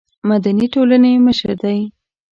مدني ټولنې مشر دی.